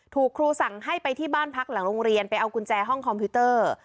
ถูกครูสั่งให้ไปที่บ้านพักหลังโรงเรียนไปเอากุญแจห้องคอมพิวเตอร์